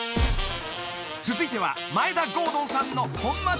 ［続いては］